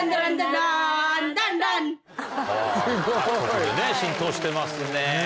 すごい。浸透してますね。